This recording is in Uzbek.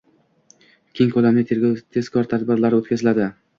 keng ko‘lamli tergov-tezkor tadbirlari o‘tkaziladi.